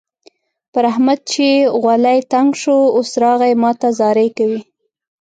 پر احمد چې غولی تنګ شو؛ اوس راغی ما ته زارۍ کوي.